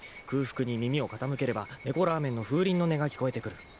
空腹に耳を傾ければ猫ラーメンの風鈴の音が聞こえてくる。